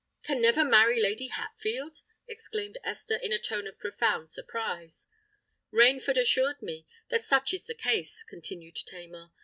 "Can never marry Lady Hatfield!" exclaimed Esther, in a tone of profound surprise. "Rainford assured me that such is the case," continued Tamar.